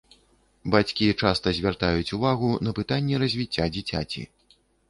Бацькі часта звяртаюць увагу на пытанні развіцця дзіцяці.